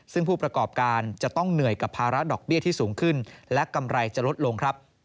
ซึ่งผู้ประกอบการจะต้องเหนื่อยกับภาระดอกเบี้ยที่สูงขึ้นและกำไรจะลดลงครับ